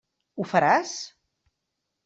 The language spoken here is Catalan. Ho faràs?